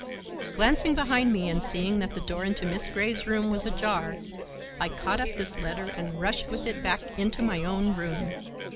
Glancing behind me and seeing that the door into Miss Grey's room was ajar, I caught up this letter and rushed with it back into my own room.